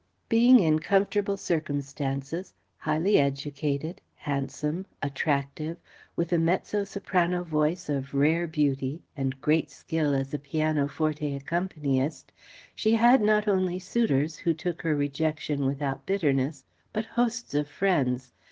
Being in comfortable circumstances, highly educated, handsome, attractive, with a mezzo soprano voice of rare beauty and great skill as a piano forte accompanyist, she had not only suitors who took her rejection without bitterness, but hosts of friends.